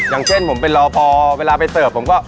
อย่างเช่นผมเป็นรอพอเวลาไปเสิร์ฟผมก็